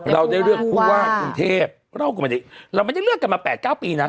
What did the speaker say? เราได้เลือกผู้ว่าคุณเทพเราก็ไม่ได้เลือกกันมา๘๙ปีนะ